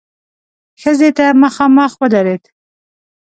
ښځې ته مخامخ ودرېد.